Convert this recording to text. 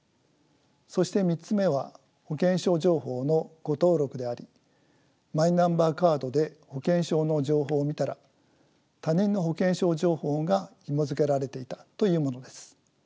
そして３つ目は保険証情報の誤登録でありマイナンバーカードで保険証の情報を見たら他人の保険証情報がひもづけられていたというものです。